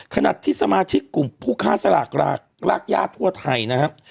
ขณะที่สมาชิกกลุ่มผู้ค้าสลากรากย่าทั่วไทยนะครับ